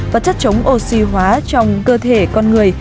và chất chống oxy hóa trong cơ thể con người